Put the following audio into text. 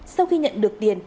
sau khi nhận được tiền